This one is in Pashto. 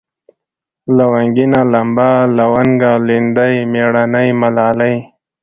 لونگينه ، لمبه ، لونگه ، ليندۍ ، مېړنۍ ، ملالۍ